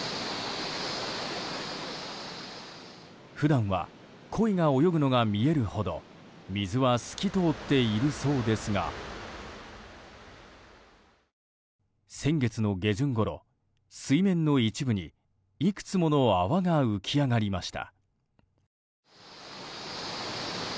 普段はコイが泳ぐのが見えるほど水は透き通っているそうですが先月の下旬ごろ、水面の一部にいくつもの泡が浮き上がりました。